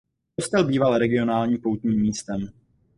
Kostel býval regionálním poutním místem.